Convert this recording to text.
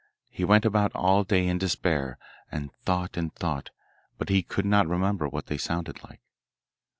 He went about all day in despair, and thought and thought, but he could not remember what they sounded like.